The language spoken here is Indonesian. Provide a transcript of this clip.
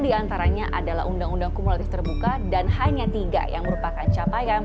diantaranya adalah undang undang kumulatif terbuka dan hanya tiga yang merupakan capaian